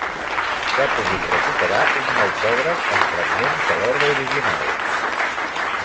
S'ha pogut recuperar un autògraf amb fragments de l'obra original.